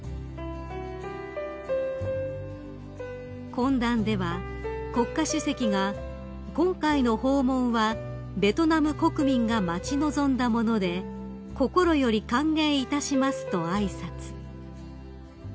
［懇談では国家主席が「今回の訪問はベトナム国民が待ち望んだもので心より歓迎いたします」と挨拶］